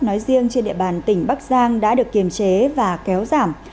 nói riêng trên địa bàn tỉnh bắc giang đã được kiềm chế và kéo giảm